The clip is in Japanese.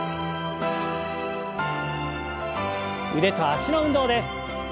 腕と脚の運動です。